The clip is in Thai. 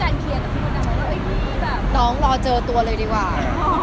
น้องรอเจอตัวเลยดีกว่า